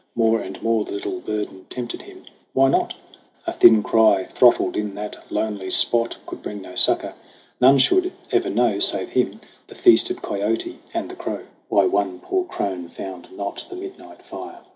More and more The little burden tempted him. Why not ? A thin cry throttled in that lonely spot Could bring no succor. None should ever know, Save him, the feasted kiote and the crow, THE CRAWL 79 Why one poor crone found not the midnight fire.